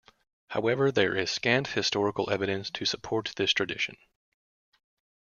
However, there is scant historical evidence to support this tradition.